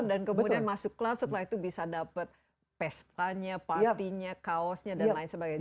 dan kemudian masuk club setelah itu bisa dapat pestanya party nya kaosnya dan lain sebagainya